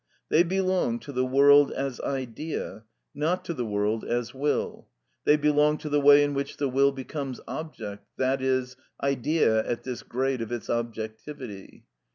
They belong to the world as idea, not to the world as will; they belong to the way in which the will becomes object, i.e., idea at this grade of its objectivity.